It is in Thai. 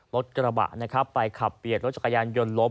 รถกระบะไปขับเปียดรถจักรยานยนต์ล้ม